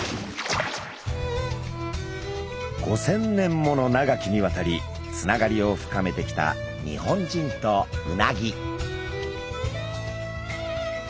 ５，０００年もの長きにわたりつながりを深めてきた日本人とうなぎ。